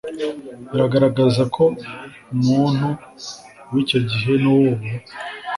biragaragaza ko muntu w’icyo gihe n’uw’ubu,